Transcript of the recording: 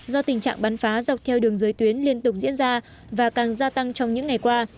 do tình trạng bắn phá dọc theo đường giới tuyến liên tục diễn ra và càng gia tăng trong những ngày qua